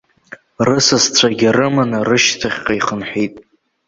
Рысасцәагьы рыманы рышьҭахьҟа ихынҳәит.